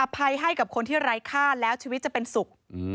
ภัยให้กับคนที่ไร้ค่าแล้วชีวิตจะเป็นสุข